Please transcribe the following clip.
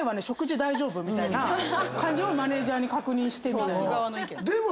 食事大丈夫？みたいな感じをマネジャーに確認してみたいな。